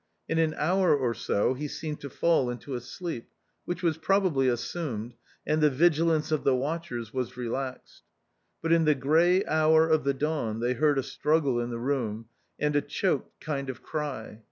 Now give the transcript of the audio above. In an hour or so he seemed to fall into a sleep, which was probably assumed, and the vigilance of the watchers was relaxed. But in the grey hour of the dawn they heard a struggle in the room, and a choked kind of cry.